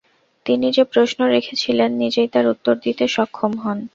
তিনি যে প্রশ্ন রেখেছিলেন নিজেই তার উত্তর দিতে সক্ষম হন।